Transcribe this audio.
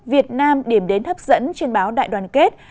việt nam điểm đến hấp dẫn trên báo đại đoàn kết